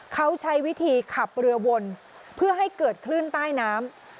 เขาใช้วิธีขับเรือวนเพื่อให้เกิดคลื่นใต้น้ำ